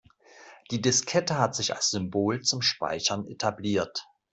Die Diskette hat sich als Symbol zum Speichern etabliert.